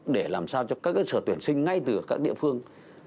để làm sao cho các cơ sở tuyển sinh ngay từ các địa phương